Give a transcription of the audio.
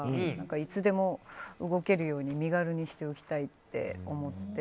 いつでも動けるように身軽にしておきたいと思って。